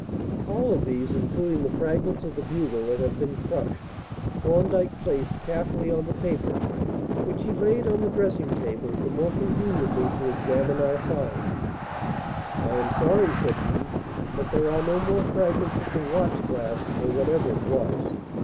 All of these, including the fragments of the bugle that had been crushed, Thorndyke placed carefully on the paper, which he laid on the dressing table the more conveniently to examine our find. "I am sorry," said he, "that there are no more fragments of the watch glass, or whatever it was.